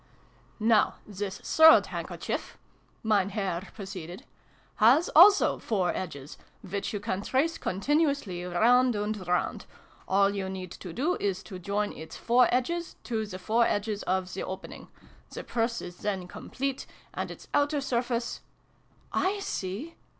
" Now, this third handkerchief," Mem Herr proceeded, " has also four edges, which you can trace continuously round and round : all you need do is to join its four edges to the four edges of the opening. The Purse is then complete, and its outer surface "/ see!"